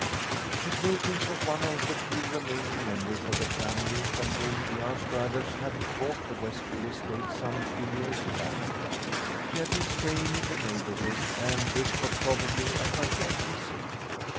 Miss Wilkins was one of the few remaining members of the family from whom the Anstruthers had bought the Westfield estate some few years back. She had been staying in the neighbourhood, and this was probably a farewell visit.